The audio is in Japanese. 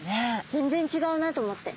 全然違うなと思って。